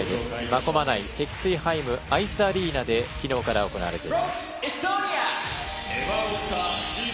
真駒内セキスイハイムアイスアリーナで昨日から行われています。